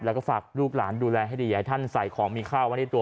แล้วก็ฝากลูกหลานดูแลให้ดีอยากให้ท่านใส่ของมีข้าวไว้ในตัว